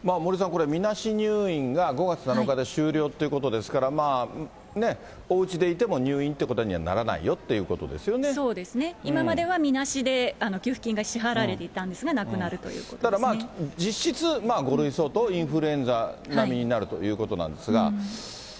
これ、みなし入院が５月７日で終了ということですから、おうちでいても入院っていうことにはならないよっていうことですそうですね、今まではみなしで給付金が支払われていたんですが、なくなるといただまあ、実質５類相当、インフルエンザ並みになるということなんですが。